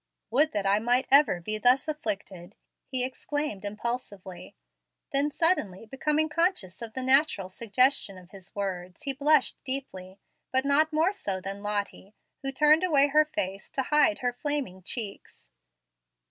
"Would that I might be ever thus afflicted!" he exclaimed impulsively. Then, suddenly becoming conscious of the natural suggestion of his words, he blushed deeply; but not more so than Lottie, who turned away her face to hide her flaming cheeks.